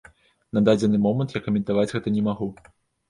На дадзены момант я каментаваць гэта не магу.